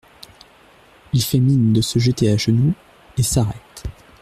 Il fait mine de se jeter à genoux et s’arrête.